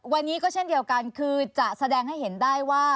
วันนี้ก็เช่นเดียวกันคือจะแสดงให้เห็นได้ว่า